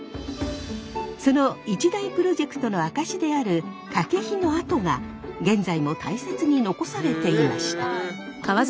その一大プロジェクトの証しである掛の跡が現在も大切に残されていました。